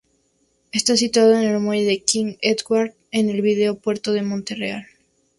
Está situado en el muelle de King Edward, en el Viejo Puerto de Montreal.